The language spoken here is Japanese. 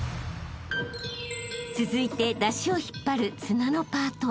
［続いて山車を引っ張る綱のパート］